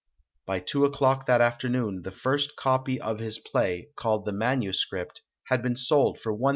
By two o'clock that afternoon, the first copy of this play, called the manuscript, had been sold for $1,164.